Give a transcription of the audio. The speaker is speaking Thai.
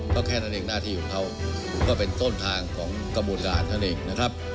ก็แค่นั้นเองหน้าที่ของเขาก็เป็นต้นทางของกระบวนการนั่นเองนะครับ